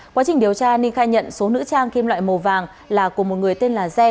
quá trình điều tra ninh khai nhận số nữ trang kim loại màu vàng là của một người tên là dê